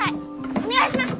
お願いします！